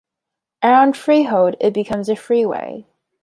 Around Freehold, it becomes a freeway.